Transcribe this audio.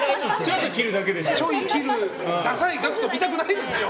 ちょい切る、ダサいＧＡＣＫＴ見たくないですよ。